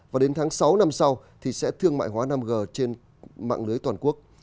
và đến tháng sáu năm sau thì sẽ thương mại hóa năm g trên mạng lưới toàn quốc